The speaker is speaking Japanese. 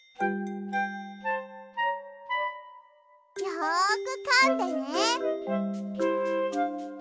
よくかんでね。